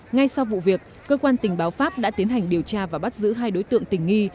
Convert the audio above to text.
ngay sau vụ việc cơ quan tình báo pháp đã tiến hành điều tra và bắt giữ hai đối tượng tình nghi